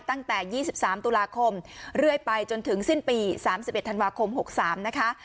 ตั้งแต่ยี่สิบสามตุลาคมเรื่อยไปจนถึงสิ้นปีสามสิบเอ็ดธันวาคมหกสามนะคะ